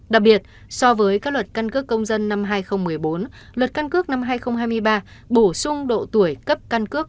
đặc biệt so với các luật căn cước công dân năm hai nghìn một mươi bốn luật căn cước năm hai nghìn hai mươi ba bổ sung độ tuổi cấp căn cước